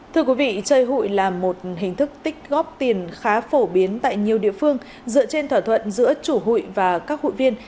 thưa quý vị chơi hụi là một hình thức tích góp tiền khá phổ biến tại nhiều địa phương dựa trên thỏa thuận giữa chủ hụi và các hụi viên